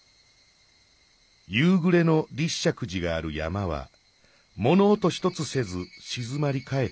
夕ぐれの立石寺がある山はもの音一つせずしずまりかえっている。